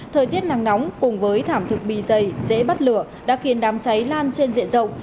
thời tiết nắng nóng cùng với thảm thực bì dày dễ bắt lửa đã khiến đám cháy lan trên diện rộng